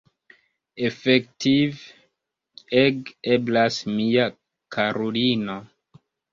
Efektive, ege eblas, mia karulino.